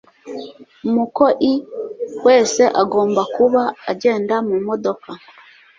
umukoi wese agomba kuba agenda mumodoka